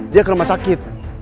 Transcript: dia ke rumah sakit